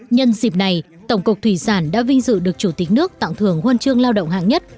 nhân dịp này tổng cục thủy sản đã vinh dự được chủ tịch nước tặng thưởng huân chương lao động hạng nhất